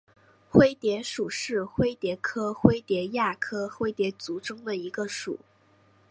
灰蝶属是灰蝶科灰蝶亚科灰蝶族中的一个属。